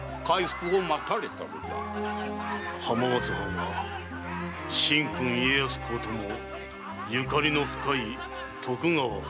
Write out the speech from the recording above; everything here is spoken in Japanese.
浜松藩は神君・家康公ともゆかりの深い徳川譜代である。